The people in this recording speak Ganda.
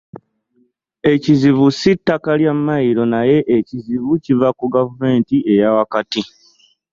Ekizibu si ttaka lya mayiro naye ekizibu kiva ku gavumenti eya wakati